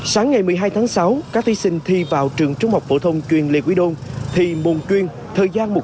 sáng ngày một mươi hai tháng sáu các thi sinh thi vào trường trung học phổ thông chuyên lê quý đôn thi môn chuyên thời gian một trăm năm mươi phút